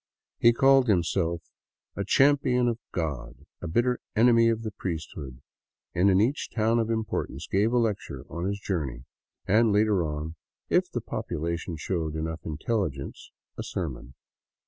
He called himself a "Champion of God," a bitter enemy of the priesthood, and in each town of importance gave a lecture on his journey and, later on, " if the population showed enough intelligence," a sermon.